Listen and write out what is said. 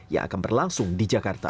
yang akan berlangsung di jakarta